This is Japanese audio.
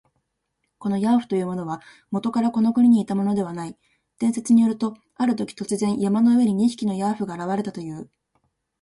このヤーフというものは、もとからこの国にいたものではない。伝説によると、あるとき、突然、山の上に二匹のヤーフが現れたという。